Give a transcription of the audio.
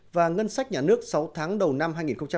và ngân sách nhà nước sáu tháng đầu năm hai nghìn một mươi sáu